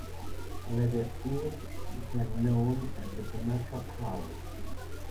Later it became known as the Commercial House.